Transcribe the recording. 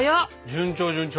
順調順調。